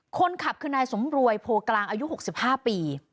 คนขับคือนายสมรวยโพกลางอายุ๖๕ปี